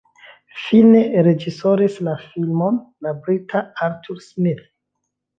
Fine reĝisoris la filmon la brita Arthur Smith.